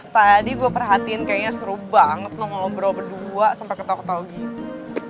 tadi gue perhatiin kayaknya seru banget loh ngobrol berdua sampe ketau ketau gitu